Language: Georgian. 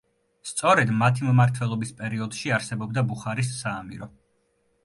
სწორედ მათი მმართველობის პერიოდში არსებობდა ბუხარის საამირო.